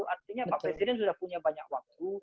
artinya pak presiden sudah punya banyak waktu